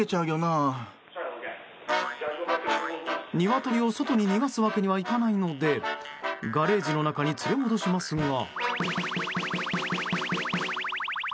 ニワトリを外に逃がすわけにはいかないのでガレージの中に連れ戻しますが。